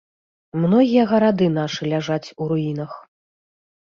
Многія гарады нашы ляжаць у руінах.